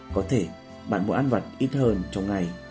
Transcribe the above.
có thể bạn mua ăn vặt ít hơn trong ngày